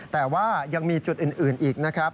แต่ว่ายังมีจุดอื่นอีกนะครับ